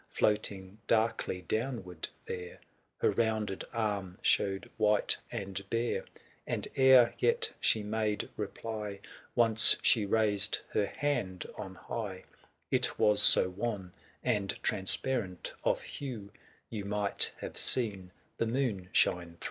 Floating darkly downward there, Her rounded arm showed white and bare ; And ere yet she made reply, Once she raised her hand on high ; 515 It was so wan, and transparent of hue, You might have seen the moon shine through.